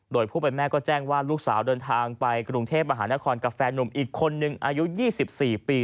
โดยผู้เป็นแม่ก็แจ้งว่าลูกสาวเดินทางไปกรุงเทพมหานครกับแฟนหนุ่มอีกคนนึงอายุ๒๔ปี